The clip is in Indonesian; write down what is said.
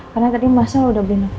karena tadi masalah udah berlaku